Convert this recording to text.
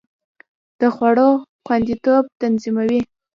د خوړو خوندیتوب تضمینوي.